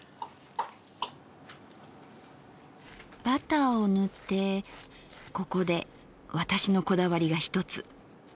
バターを塗ってここで私のこだわりが一つ。